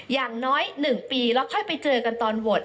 อย่างน้อย๑ปีแล้วค่อยไปเจอกันตอนโหวต